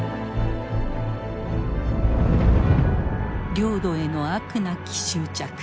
領土への飽くなき執着。